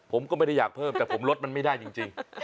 ผมก็ไม่ได้อยากเพิ่มแต่ผมลดมันไม่ได้จริง